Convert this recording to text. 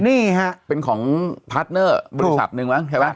นี่ฮะเป็นของพาร์ทเนอร์บริษัทหนึ่งมั้งใช่ไหม